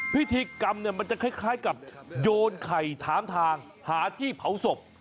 พิธีกรรมเนี่ยมันจะคล้ายกับโยนไข่ถามทางหาที่เผาศพ